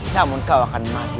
namun kau akan mati